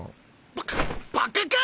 ババカか！